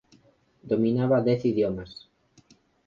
Dominaba dez idiomas.